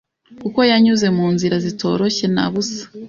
kuko yanyuze mu nzira zitoroshye na busa,